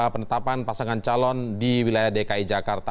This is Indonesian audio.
penetapan pasangan calon di wilayah dki jakarta